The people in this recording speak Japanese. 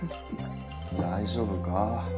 大丈夫か？